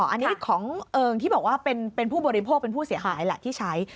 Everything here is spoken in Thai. อันนี้ของเอิงที่บอกว่าเป็นผู้บริโภคเป็นผู้เสียหายแหละที่ใช้